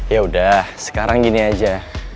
yaudah sekarang gini aja